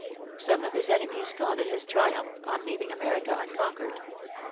Some of his enemies called it his triumph on leaving America unconquered.